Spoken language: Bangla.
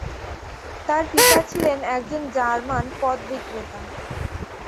তার পিতা ছিলেন একজন জার্মান পথ বিক্রেতা।